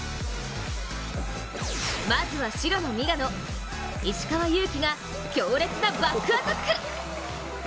まずは白のミラノ石川祐希が強烈なバックアタック。